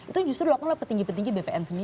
itu justru dilakukan oleh petinggi petinggi bpn sendiri